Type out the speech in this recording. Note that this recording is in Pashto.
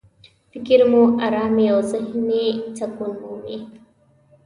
فکر مو ارامي او ذهني سکون مومي.